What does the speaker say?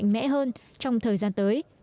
mẽ hơn trong thời gian tới